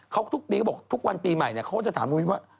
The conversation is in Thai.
เขาทุกวันปีใหม่เนี่ยเขาก็จะถามคุณวิทย์ว่า